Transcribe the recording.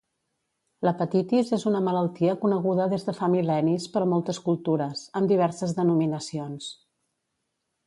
L'hepatitis és una malaltia coneguda des de fa mil·lennis per moltes cultures, amb diverses denominacions.